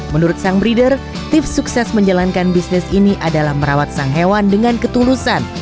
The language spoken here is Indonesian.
menurut sang breeder tips sukses menjalankan bisnis ini adalah merawat sang hewan dengan ketulusan